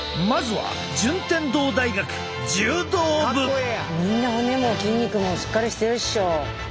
みんな骨も筋肉もしっかりしてるっしょ。